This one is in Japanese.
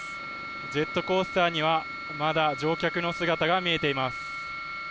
ジェットコースターにはまだ乗客の姿が見えています。